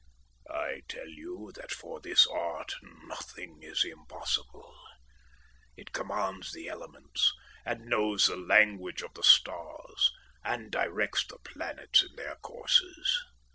I tell you that for this art nothing is impossible. It commands the elements, and knows the language of the stars, and directs the planets in their courses.